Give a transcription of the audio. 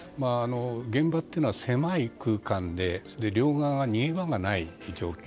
現場というのは狭い空間で両側が逃げ場がない状況。